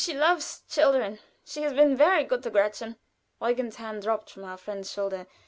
She loves children; she has been very good to Gretchen." Eugen's hand dropped from our friend's shoulder.